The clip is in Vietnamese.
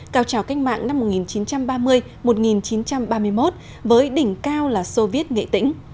cao trào cách mạng năm một nghìn chín trăm ba mươi một nghìn chín trăm ba mươi một với đỉnh cao là soviet nghệ tĩnh